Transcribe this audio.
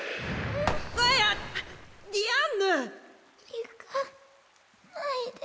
行かないで。